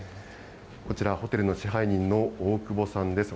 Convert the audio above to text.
こちら、ホテルの支配人の大久保さんです。